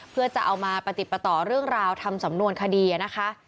เพื่อจะเอามาปฏิปต่อเรื่องราวทำสำนวนคดีนะคะ